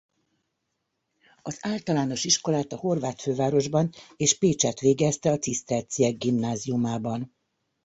Az általános iskolát a horvát fővárosban és Pécsett végezte a ciszterciek gimnáziumában.